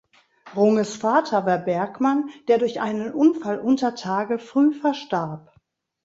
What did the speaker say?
Runges Vater war Bergmann, der durch einen Unfall unter Tage früh verstarb.